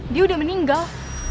dia udah meninggal